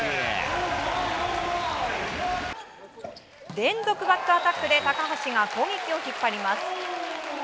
連続バックアタックで高橋が攻撃を引っ張ります。